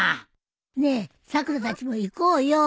ねえさくらたちも行こうよ。